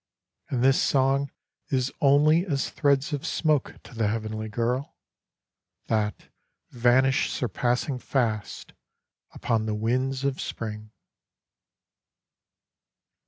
. And this song is only as threads of smoke to the heavenly girl, That vanish surpassing fast upon the winds of Spring.